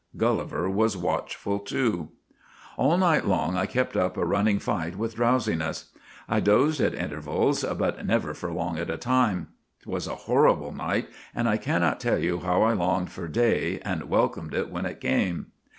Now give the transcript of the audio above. Gulliver was watchful too. " All night long I kept up a running fight with drowsiness. I dozed at intervals, but never for long at a time. It was a horrible night, and I can not tell you how I longed for day and welcomed it when it came.